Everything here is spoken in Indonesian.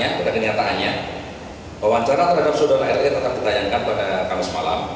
namun dalam kenyataannya wawancara terhadap saudara r i tetap ditayangkan pada kamis malam